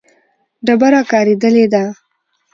ډبره کارېدلې ده.